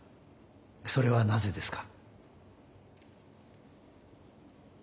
それはなぜですか？